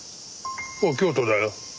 京都だよ。